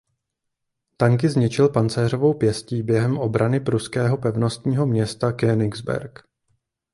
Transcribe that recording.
Tanky zničil pancéřovou pěstí během obrany pruského pevnostního města Königsberg.